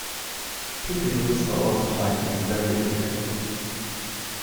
People who whisper all the time can be very irritating